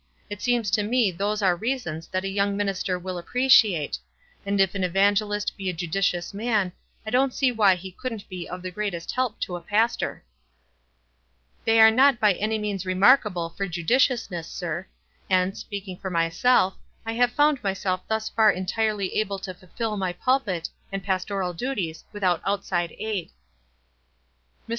It seems to me those are reasons that a young minister will appreciate ; and if an evangelist be a judi ciousman, I don't see why he couldn't be of the greatest help to a pastor." 318 WISE AND OTHERWISE. "They are not by any means remarkable for judiciousness, sir; and, speaking for myself, I have found myself thus far entirely able to fulfill my pulpit and pastoral duties without outside aid." Mr.